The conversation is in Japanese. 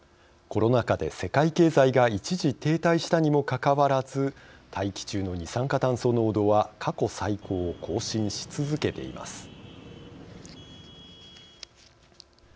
コロナ禍で世界経済が一時停滞したにもかかわらず大気中の二酸化炭素濃度は過去最高を更新し続けています。